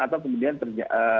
atau kemudian terjadi